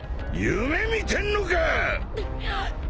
夢見てんのか！？